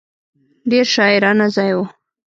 ډېر شاعرانه ځای و.